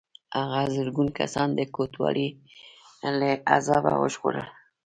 هغه زرګونه کسان د کوڼوالي له عذابه وژغورل.